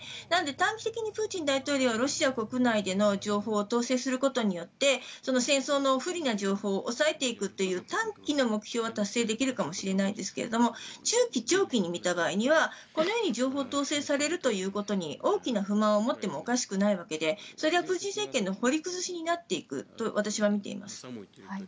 なので短期的にプーチン大統領はロシア国内での情報を統制することによって戦争の不利な情報を抑えていくっていう短期の目標は達成できるかもしれないですが中期、長期に見た場合にはこのように情報を統制されるということに大きな不満を持ってもおかしくないわけでそれはプーチン政権の掘り崩しになっていくと思っています。